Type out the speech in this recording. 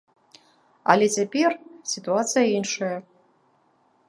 Але цяпер сітуацыя іншая.